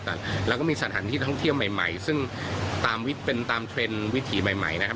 แต่เราก็มีสถานที่ท่องเที่ยวใหม่ซึ่งตามเทรนด์วิถีใหม่นะครับ